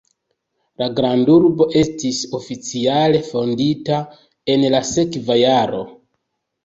La grandurbo estis oficiale fondita en la sekva jaro.